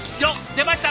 出ました！